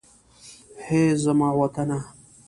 هئ! زما وطنه.